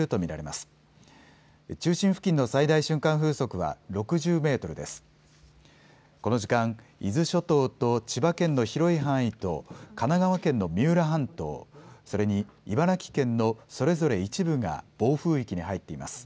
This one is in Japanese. この時間、伊豆諸島と千葉県の広い範囲と神奈川県の三浦半島、それに茨城県のそれぞれ一部が暴風域に入っています。